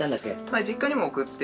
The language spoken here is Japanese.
はい実家にも送って。